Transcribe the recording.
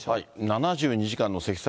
７２時間の積算